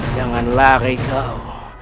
jangan lari kau